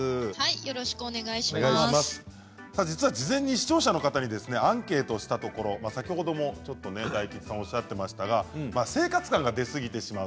実は事前に視聴者の方にアンケートをしたところ先ほどもちょっと大吉さんがおっしゃっていましたが生活感が出すぎてしまう。